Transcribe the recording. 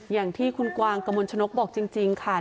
อย่างที่คุณกวางกระมวลชนกบอกจริงค่ะ